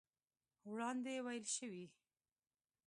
وړاندې ويل شوي